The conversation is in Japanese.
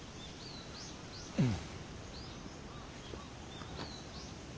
うん。